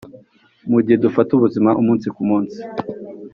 mugihe dufata ubuzima umunsi kumunsi.